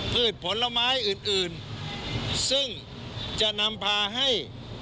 พืชผลไม้อื่นอื่นซึ่งจะนำพาให้